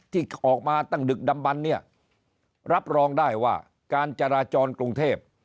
ที่ออกมาตั้งดึกดำบันเนี่ยรับรองได้ว่าการจราจรกรุงเทพ